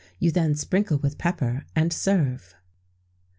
You then sprinkle with pepper, and serve.